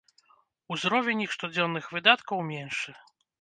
Узровень іх штодзённых выдаткаў меншы!